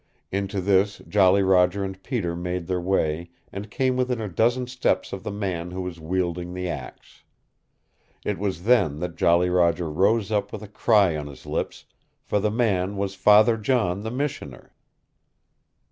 Into this Jolly Roger and Peter made their way and came within a dozen steps of the man who was wielding the axe. It was then that Jolly Roger rose up with a cry on his lips, for the man was Father John the Missioner.